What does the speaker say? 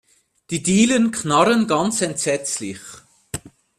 Die Dielen knarren ganz entsetzlich.